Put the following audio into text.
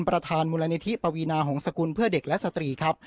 ประธานมูลนิธิปวีนาหงษกุลเพื่อเด็กและสตรีครับ